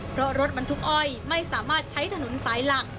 เพราะรถบรรทุกอ้อยไม่สามารถใช้ถนนสายหลัก